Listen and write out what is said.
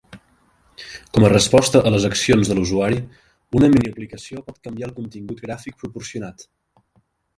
Com a resposta a les accions de l'usuari, una miniaplicació pot canviar el contingut gràfic proporcionat.